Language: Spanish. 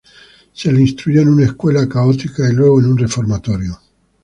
Se le instruyó en una escuela católica, y luego en un reformatorio.